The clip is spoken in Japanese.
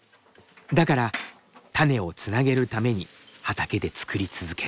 だから種をつなげるために畑で作り続ける。